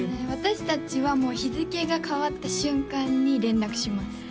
私達はもう日付が変わった瞬間に連絡します